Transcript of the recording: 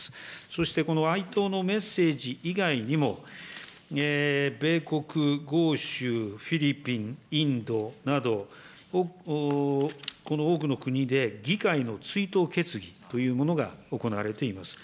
そしてこの哀悼のメッセージ以外にも、米国、豪州、フィリピン、インドなど、この多くの国で議会の追悼決議というものが行われています。